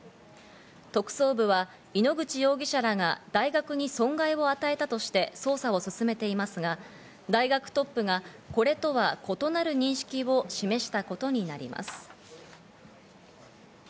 特捜部は井ノ口容疑者らが大学に損害を与えたとして捜査を進めていますが、大学トップがこれとは異なる認識を示したことになります。